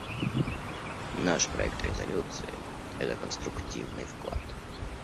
Наш проект резолюции — это конструктивный вклад.